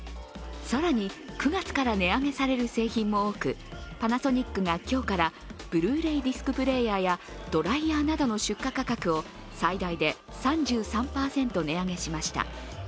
更に９月から値上げされる製品も多くパナソニックが今日からブルーレイディスクプレーヤーやドライヤーなどの出荷価格を最大で３３％値上げしました。